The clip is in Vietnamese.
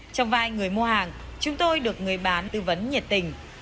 trong vai người mua hàng chúng tôi được người bán tư vấn nhiệt tình